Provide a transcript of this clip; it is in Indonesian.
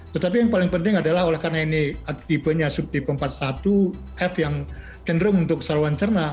tetapi yang paling penting adalah karena ini tipenya subtipe empat puluh satu f yang cenderung untuk saluan cerna